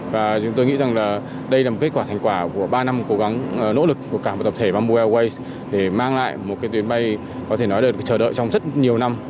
và chúng tôi nghĩ rằng là đây là một kết quả thành quả của ba năm cố gắng nỗ lực của cả một tập thể bamboo airways để mang lại một tuyến bay có thể nói được chờ đợi trong rất nhiều năm